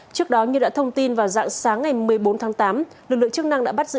trước đó như đã thông tin vào dạng sáng ngày một mươi bốn tháng tám lực lượng chức năng đã bắt giữ